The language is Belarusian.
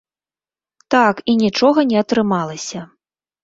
Так, і нічога не атрымалася.